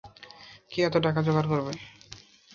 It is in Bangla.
কে এত টাকা জোগাড় করবে?